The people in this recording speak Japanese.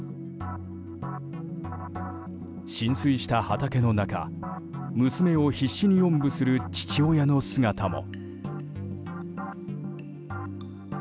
浸水した畑の中娘を必死におんぶする父親の姿も。